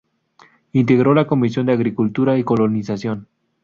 Integró la Comisión de Agricultura y Colonización.